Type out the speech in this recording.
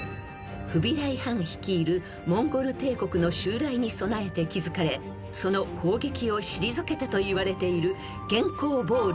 ［フビライ＝ハン率いるモンゴル帝国の襲来に備えて築かれその攻撃を退けたといわれている元寇防塁］